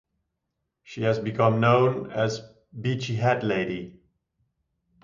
She has become known as Beachy Head Lady.